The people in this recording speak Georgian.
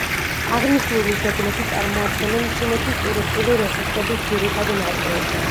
აღნიშნული ძეგლები წარმოადგენენ ჩინეთის ტურისტული რესურსების ძირითად ნაწილს.